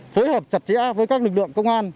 phối hợp chặt chẽ với các lực lượng công an